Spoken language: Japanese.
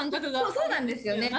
そうなんですよね。